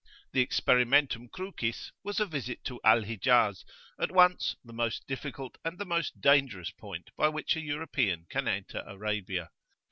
The "experimentum crucis" was a visit to Al Hijaz, at once the most difficult and the most dangerous point by which a European can enter Arabia.